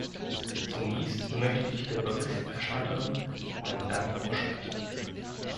Zunächst möchte ich der Berichterstatterin meinen Dank aussprechen.